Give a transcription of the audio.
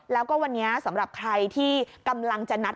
แล้วก็วันนี้สำหรับใครที่กำลังจะนัด